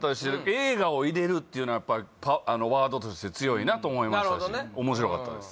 映画を入れるっていうのはワードとして強いなと思いましたし面白かったです